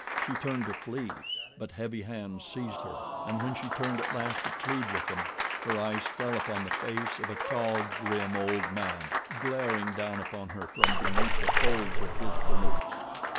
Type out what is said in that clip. She turned to flee, but heavy hands seized her, and when she turned at last to plead with them her eyes fell upon the face of a tall, grim, old man glaring down upon her from beneath the folds of his burnous.